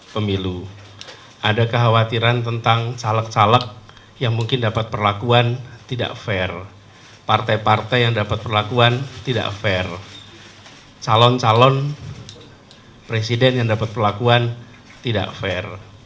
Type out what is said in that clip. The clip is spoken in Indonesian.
pemilu ada kekhawatiran tentang caleg caleg yang mungkin dapat perlakuan tidak fair partai partai yang dapat perlakuan tidak fair calon calon presiden yang dapat perlakuan tidak fair